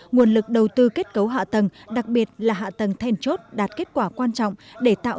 nguồn lực đầu tư kết cấu hạ tầng đặc biệt là hạ tầng thèn chốt đạt kết quả quan trọng để tạo